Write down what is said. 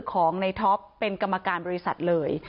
ของในท็อปเป็นกรรมการบริษัทเลย